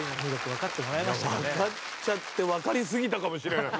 わかっちゃってわかりすぎたかもしれない。